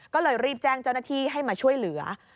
ก็เลยรีบแจ้งเจ้าหน้าที่ให้มาช่วยเหลือ